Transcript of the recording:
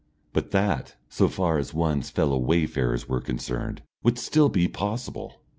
But that, so far as one's fellow wayfarers were concerned, would still be possible.